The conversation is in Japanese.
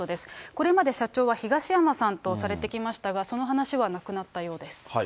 これまで社長は東山さんとされてきましたが、その話はなくなったようです。